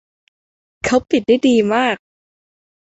เขาปิดได้ดีมาก